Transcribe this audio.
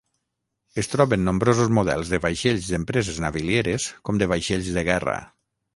Es troben nombrosos models de vaixells d'empreses navilieres com de vaixells de guerra.